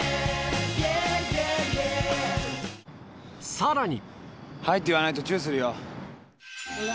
さらに。